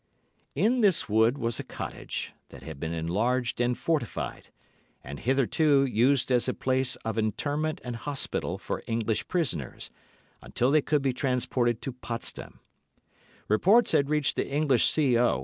In this wood was a cottage, that had been enlarged and fortified, and hitherto used as a place of internment and hospital for English prisoners, until they could be transported to Potsdam. Reports had reached the English C.O.